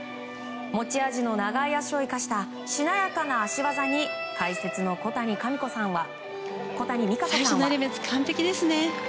持ち味の長い脚を生かしたしなやかな脚技に解説の小谷実可子さんは。